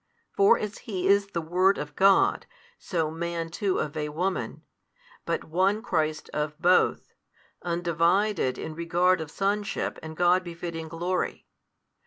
For as He is the Word of God, so Man too of a woman, but One Christ of both, Undivided in regard of Sonship and God befitting Glory.